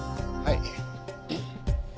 はい。